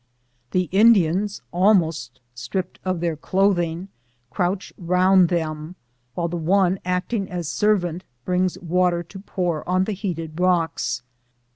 The Indians, al most stripped of their clothing, crouch round them, while the one acting as servant brings water to pour on the heated rocks.